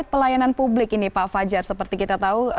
pelayanan publik ini pak fajar seperti kita tahu